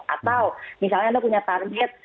atau misalnya anda punya target